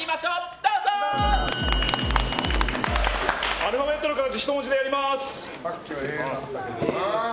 アルファベットの形人文字でやります。